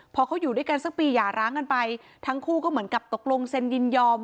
พอเขาอยู่ด้วยกันสักปีหย่าร้างกันไปทั้งคู่ก็เหมือนกับตกลงเซ็นยินยอม